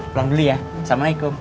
pulang dulu ya assalamualaikum